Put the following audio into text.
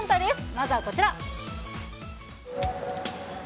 まずはこちら。